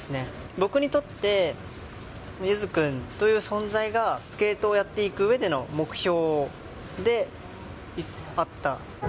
僕にとって、ゆづ君という存在が、スケートをやっていくうえでの目標であった。